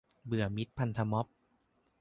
เบื่อมิตรพันธม็อบ